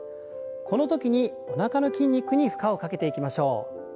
このときにおなかの筋肉に負荷をかけていきましょう。